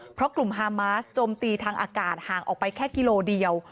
เพราะกลุ่มฮามาสจมตีทางอากาศห่างออกไปแค่กิโลเดียว